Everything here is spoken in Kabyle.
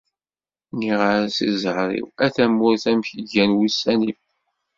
Nniɣ-as i zzehr-iw: a tamurt amek gan ussan-im.